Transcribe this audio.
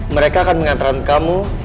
mereka akan mengantarkan kamu